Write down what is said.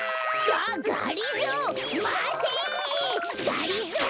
がりぞー